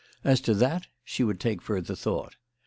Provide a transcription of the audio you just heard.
As to that she would take further thought.